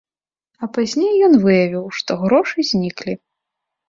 А пазней ён выявіў, што грошы зніклі.